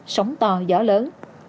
sóng to gió lớn